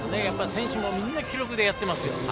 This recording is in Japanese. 選手もみんな気力でやっています。